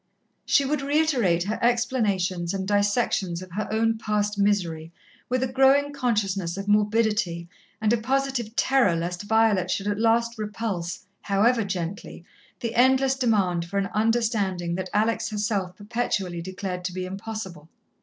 She would reiterate her explanations and dissections of her own past misery, with a growing consciousness of morbidity and a positive terror lest Violet should at last repulse, however gently, the endless demand for an understanding that Alex herself perpetually declared to be impossible.